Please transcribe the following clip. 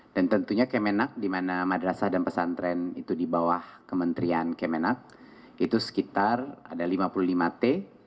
dan tentunya kemenak di mana madrasah dan pesantren itu di bawah kementerian kemenak itu sekitar ada lima puluh lima t